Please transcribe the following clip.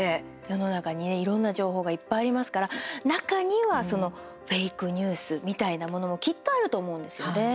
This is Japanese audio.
世の中にねいろんな情報がいっぱいありますから、中にはフェイクニュースみたいなものもきっとあると思うんですよね。